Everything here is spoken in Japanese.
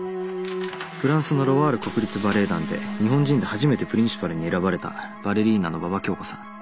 フランスのロワール国立バレエ団で日本人で初めてプリンシパルに選ばれたバレリーナの馬場恭子さん。